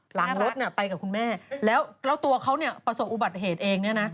หลังรถไปกับคุณแม่แล้วตัวเขาเนี่ยประสบอุบัติเหตุเองเนี่ยนะ